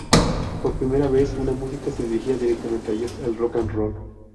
Por primera vez, una música se dirigía directamente a ellos: el "rock and roll".